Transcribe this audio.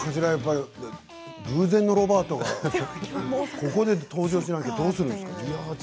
偶然のロバートがここで登場しないでどうするの？